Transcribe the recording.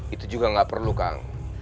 itu juga nggak perlu kang